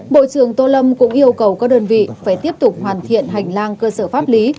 bộ trưởng tô lâm cũng yêu cầu các đơn vị phải tiếp tục hoàn thiện hành lang cơ sở pháp lý